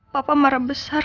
papa marah besar